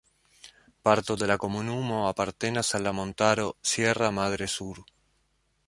Parto de la komunumo apartenas al la montaro "Sierra Madre Sur".